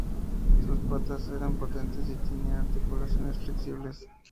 Sus patas eran potentes y tenían articulaciones flexibles.